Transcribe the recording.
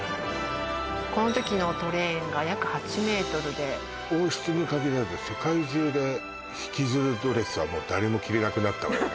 この時のトレーンが約８ｍで王室に限らず世界中で引きずるドレスはもう誰も着れなくなったわよね